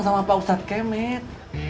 sama pak ustad kemit